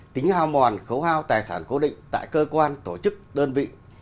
tính hào mòn khấu hào tài sản cố định tại cơ quan tổ chức đơn vị